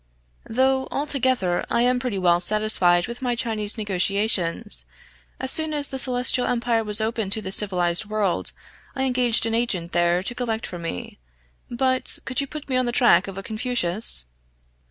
"Though altogether, I am pretty well satisfied with my Chinese negotiations; as soon as the Celestial Empire was opened to the civilized world, I engaged an agent there to collect for me. But, could you put me on the track of a Confucius?"